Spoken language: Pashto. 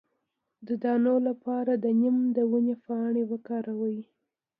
د دانو لپاره د نیم د ونې پاڼې وکاروئ